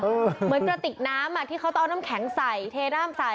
เหมือนกระติกน้ำที่เขาต้องเอาน้ำแข็งใส่เทด้ามใส่